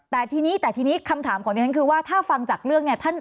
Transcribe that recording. แต่ทีนี้คำถามของท่านคือว่าถ้าฟังจากเรื่องเนี่ย